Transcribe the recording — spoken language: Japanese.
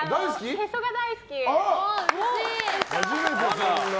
へそが大好き。